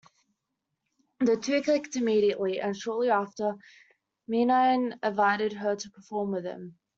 The two clicked immediately, and shortly after, Meine invited her to perform with him.